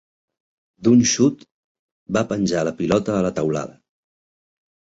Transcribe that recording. D'un xut va penjar la pilota a la teulada.